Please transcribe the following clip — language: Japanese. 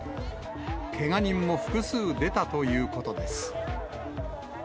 けが人も複数出たということです。